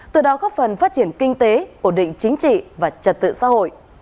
từ đó góp phần phát triển kinh tế ổn định chính trị và trật tự xã hội